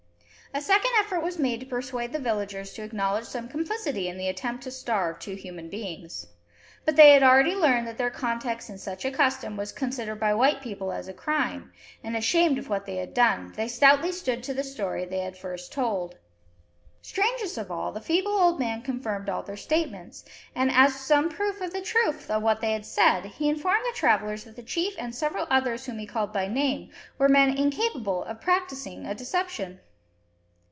A second effort was made to persuade the villagers to acknowledge some complicity in the attempt to starve two human beings. But they had already learned that their conduct in such a custom was considered by white people as a crime, and, ashamed of what they had done, they stoutly stood to the story they had first told. Strangest of all, the feeble old man confirmed all their statements, and, as some proof of the truth of what they had said, he informed the travellers that the chief and several others whom he called by name, were men incapable of practising a deception!